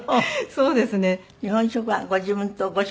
そうですね。